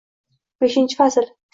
Beshnnchi fasl